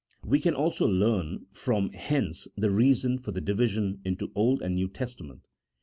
We can also leam from hence the reason for the division into Old and New Testa ment.